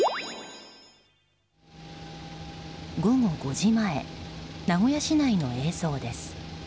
午後５時前名古屋市内の映像です。